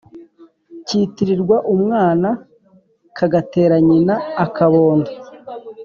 Kitirirwa umwana kagatera nyina akabondo.